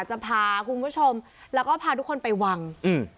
จะพาคุณผู้ชมแล้วก็พาทุกคนไปวังอืม